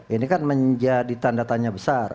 ini kan menjadi tanda tanya besar